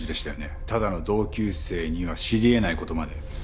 ただの同級生には知り得ない事まで。